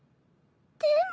でも。